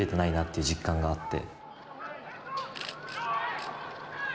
いう実感があって。